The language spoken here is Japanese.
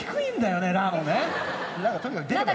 ラがとにかく出れば。